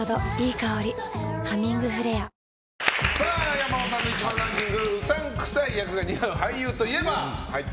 山本さんの１番ランキングうさんくさい役が似合う俳優といえば？